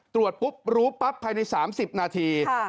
ตรวจปุ๊บรู้ปั๊บภายใน๓๐นาที